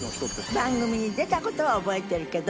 番組に出た事は覚えてるけど。